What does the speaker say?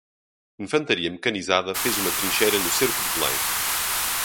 Infantaria mecanizada fez uma trincheira no cerco de Belém